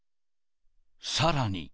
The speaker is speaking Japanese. さらに。